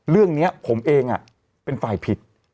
เรื่องนี้ผมเองเป็นฝ่ายผิด